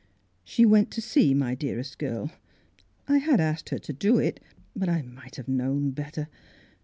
She went to see my dearest girl — I had asked her to do it ; but I might have known better.